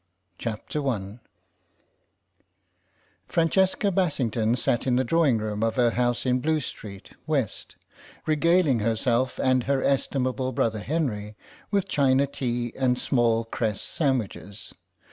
CHAPTER I FRANCESCA BASSINGTON sat in the drawing room of her house in Blue Street, W., regaling herself and her estimable brother Henry with China tea and small cress sandwiches.